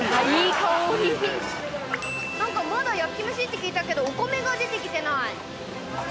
何かまだ焼き飯って聞いたけどお米が出て来てない。